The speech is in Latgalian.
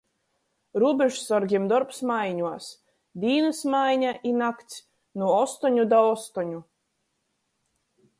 Rūbežsorgim dorbs maiņuos: dīnys maiņa i nakts – nu ostoņu da ostoņu.